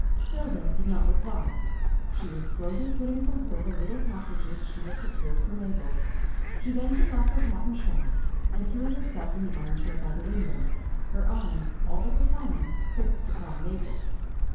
Hilda did not reply. She was slowly putting from her the little packages she had procured for Mabel. She then took off her hat and shawl, and threw herself in the arm chair by the window, her eyes, all the time, fixed upon Mabel.